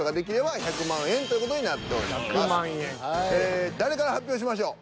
ええ誰から発表しましょう。